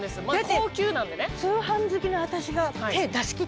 高級なんでね